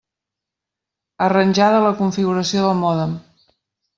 Arranjada la configuració del mòdem.